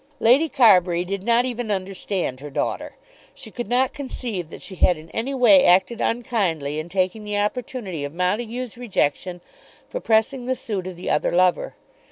Lady Carbury did not even understand her daughter. She could not conceive that she had in any way acted unkindly in taking the opportunity of Montague's rejection for pressing the suit of the other lover.